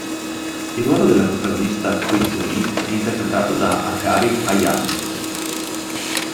Il ruolo della protagonista Koizumi è interpretato da Akari Hayami.